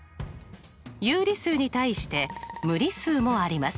有理数に対して無理数もあります。